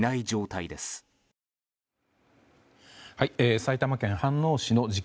埼玉県飯能市の事件